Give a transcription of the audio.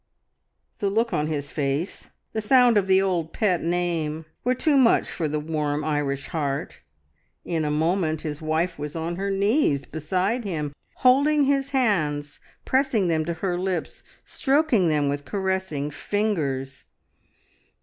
The look on his face, the sound of the old pet name were too much for the warm Irish heart. In a moment his wife was on her knees beside him, holding his hands, pressing them to her lips, stroking them with caressing fingers.